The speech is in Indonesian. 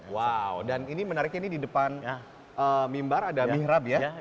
wow dan ini menariknya ini di depan mimbar ada mihrab ya